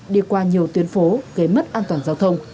đi qua nhiều tuyến phố gây mất an toàn giao thông